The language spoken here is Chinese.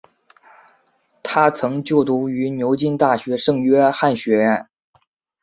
他曾就读于牛津大学圣约翰学院。